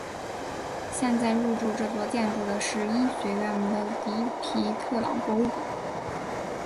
现在入驻这座建筑的是医学院的迪皮特朗博物馆。